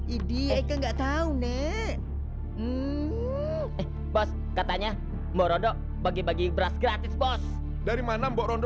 ini aku nggak tahu nek bos katanya mbok rondo bagi bagi beras gratis bos dari mana mbok rondo